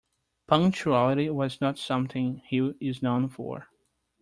Punctuality was not something he is known for.